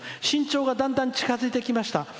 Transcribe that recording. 身長がだんだん近づいてきました。